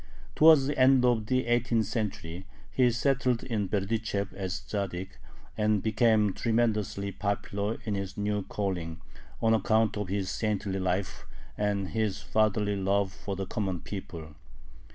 Towards the end of the eighteenth century he settled in Berdychev as Tzaddik, and became tremendously popular in his new calling on account of his saintly life and his fatherly love for the common people.